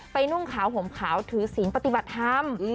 นุ่งขาวห่มขาวถือศีลปฏิบัติธรรม